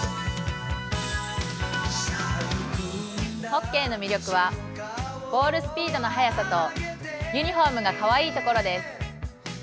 ホッケーの魅力はゴールスピードの速さとユニフォームがかわいいところです。